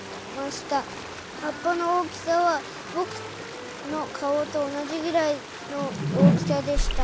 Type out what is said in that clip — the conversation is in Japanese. はっぱのおおきさはぼくのかおとおなじぐらいのおおきさでした。